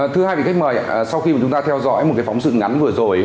thưa hai vị khách mời sau khi chúng ta theo dõi một phóng sự ngắn vừa rồi